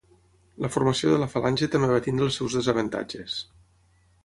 La formació de la falange també va tenir els seus desavantatges.